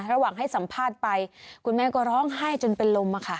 ระหว่างให้สัมภาษณ์ไปคุณแม่ก็ร้องไห้จนเป็นลม